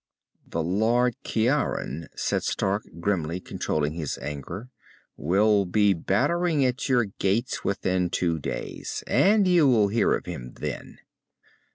"The Lord Ciaran," said Stark, grimly controlling his anger, "will be battering at your gates within two days. And you will hear of him then."